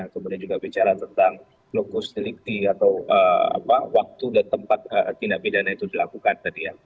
kemudian juga bicara tentang lokus delikti atau waktu dan tempat tindak pidana itu dilakukan tadi ya